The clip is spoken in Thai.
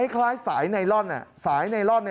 คล้ายสายไนลอนสายไนลอน